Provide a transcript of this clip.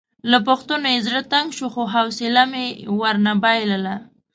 له پوښتنو یې زړه تنګ شو خو حوصله مې ونه بایلله.